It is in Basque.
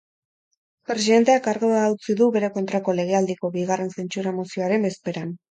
Presidenteak kargua utzi du bere kontrako legealdiko bigarren zentsura mozioaren bezperan.